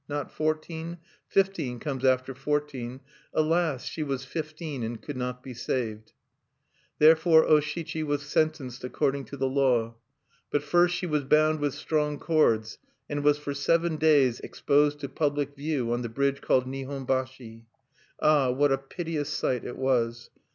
not fourteen? Fifteen comes after fourteen. Alas! she was fifteen, and could not be saved! Therefore O Shichi was sentenced according to the law. But first she was bound with strong cords, and was for seven days exposed to public view on the bridge called Nihonbashi. Ah! what a piteous sight it was!